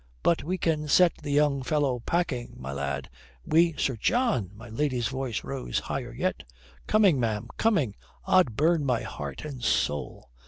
But we can set the young fellow packing, my lad. We " "Sir John!" my lady's voice rose higher yet. "Coming, ma'am, coming. Od burn my heart and soul!"